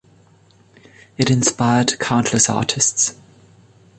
It inspired countless artists.